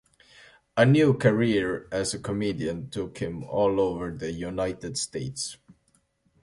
A new career as a comedian took him all over the United States.